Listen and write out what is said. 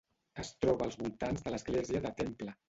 Es troba als voltants de l'església de Temple.